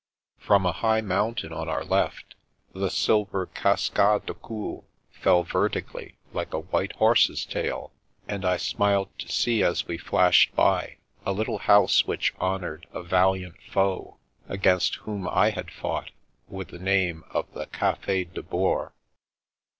From a high mountain on our left, the silver Cas cade de Coux fell vertically, like a white horse's tail; and I smiled to see, as we flashed by, a little house which honoured a valiant foe against whom I had fought, with the name of the Cafe de Boers.